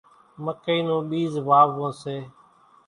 مڪئِي نون ٻيز واوون سي۔